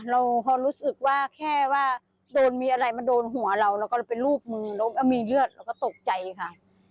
เราพอรู้สึกว่าแค่ว่าโดนมีอะไรมาโดนหัวเราเราก็เลยไปรูปมือแล้วมีเลือดเราก็ตกใจค่ะ